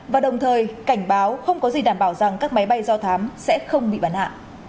và đồng thời cảnh báo không có gì đảm bảo rằng các máy bay do thám sẽ không bị bắn hạ